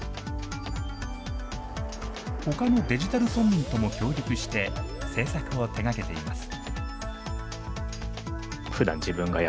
ほかのデジタル村民とも協力して、制作を手がけています。